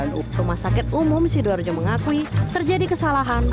rumah sakit umum sidoarjo mengakui terjadi kesalahan